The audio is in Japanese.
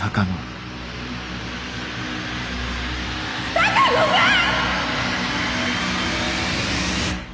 鷹野さん！